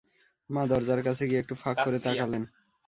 মা দরজার কাছে গিয়ে একটু ফাঁক করে তাকালেন।